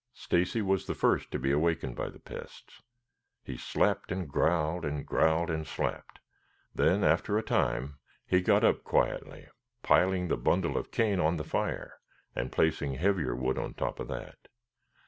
Stacy was the first to be awakened by the pests. He slapped and growled, and growled and slapped; then after a time he got up quietly, piling the bundle of cane on the fire, and placing heavier wood on top of that.